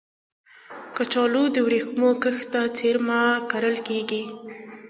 کچالو د ورېښمو کښت ته څېرمه کرل کېږي